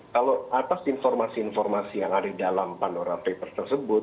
kalau atas informasi informasi yang ada dalam pandora papers tersebut